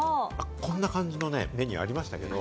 こんな感じのメニューありましたけど。